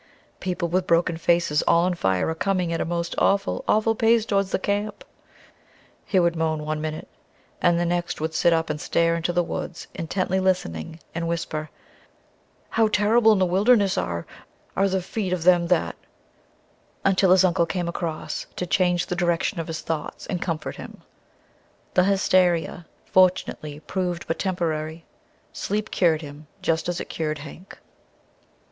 "People with broken faces all on fire are coming at a most awful, awful, pace towards the camp!" he would moan one minute; and the next would sit up and stare into the woods, intently listening, and whisper, "How terrible in the wilderness are are the feet of them that " until his uncle came across to change the direction of his thoughts and comfort him. The hysteria, fortunately, proved but temporary. Sleep cured him, just as it cured Hank.